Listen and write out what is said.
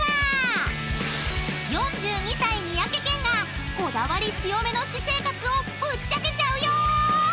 ［４２歳三宅健がこだわり強めの私生活をぶっちゃけちゃうよ！］